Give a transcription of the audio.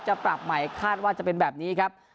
ปรับใหม่คาดว่าจะเป็นแบบนี้ครับ